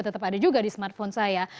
tetap ada juga di smartphone saya